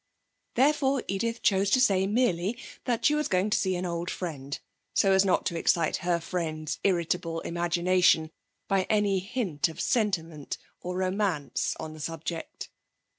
Therefore Edith chose to say merely that she was going to see an old friend, so as not to excite her friend's irritable imagination by any hint of sentiment or romance on the subject.